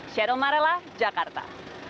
sheryl marella jakarta